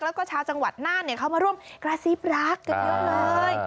แล้วก็ชาวจังหวัดน่านเขามาร่วมกระซิบรักกันเยอะเลย